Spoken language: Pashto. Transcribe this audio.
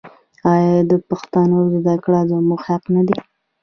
آیا د پښتو زده کړه زموږ حق نه دی؟